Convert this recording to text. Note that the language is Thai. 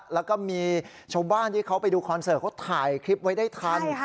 แล้วก็มีชาวบ้านที่เขาไปดูคอนเสิร์ตเขาถ่ายคลิปไว้ได้ทัน